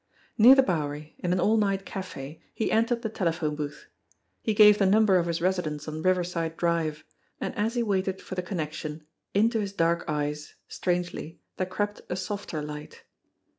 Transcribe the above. Near the Bowery, in an all night cafe, he entered the tele phone booth. He gave the number of his residence on River side Drive, and as he waited for the connection into his dark eyes, strangely, there crept a softer light.